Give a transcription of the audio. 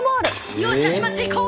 よっしゃ締まっていこう！